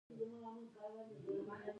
خاکسار اوسئ